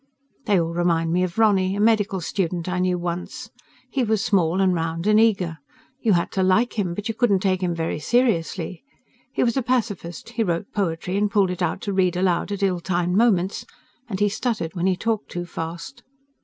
They all remind me of Ronny, a medical student I knew once. He was small and round and eager. You had to like him, but you couldn't take him very seriously. He was a pacifist; he wrote poetry and pulled it out to read aloud at ill timed moments; and he stuttered when he talked too fast.